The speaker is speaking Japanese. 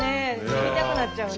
行きたくなっちゃうね。